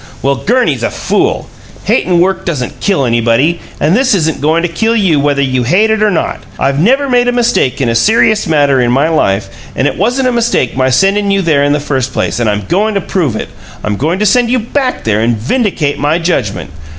Well, Gurney's a fool! Hatin' work doesn't kill anybody; and this isn't goin' to kill you, whether you hate it or not. I've never made a mistake in a serious matter in my life, and it wasn't a mistake my sendin' you there in the first place. And I'm goin' to prove it I'm goin' to send you back there and vindicate my judgment.